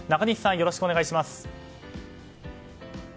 よろしくお願いします。